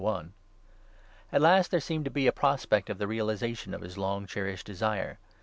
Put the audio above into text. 21). At last there seemed to be a prospect of the realization of his long cherished desire.